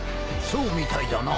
そうみたいだな。